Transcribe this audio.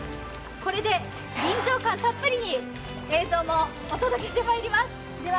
これで臨場感たっぷりに映像もお届けしてまいります。